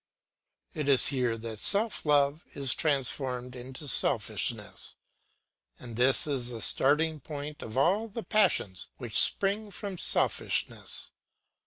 It is here that self love is transformed into selfishness, and this is the starting point of all the passions which spring from selfishness.